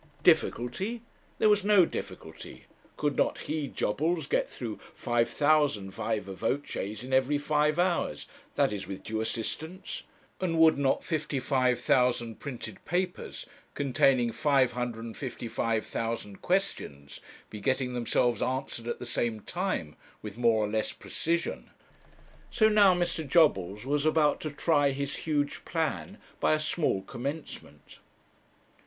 Difficulty! There was no difficulty. Could not he, Jobbles, get through 5,000 viva voces in every five hours that is, with due assistance? and would not 55,000 printed papers, containing 555,000 questions, be getting themselves answered at the same time, with more or less precision? So now Mr. Jobbles was about to try his huge plan by a small commencement.